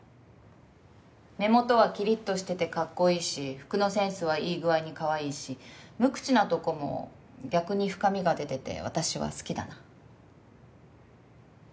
目元はきりっとしててかっこいいし服のセンスはいい具合にかわいいし無口なとこも逆に深みが出てて私は好きだな。